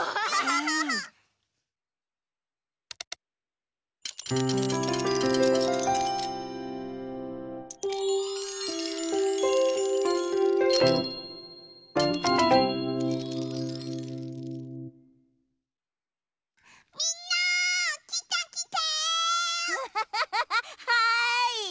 はい！